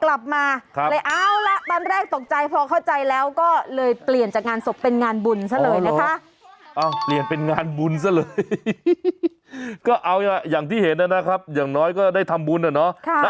คุณผู้ชมจะกินอะไรก็ตามส่งไลน์มาคุยกันละกันคุณผู้ชม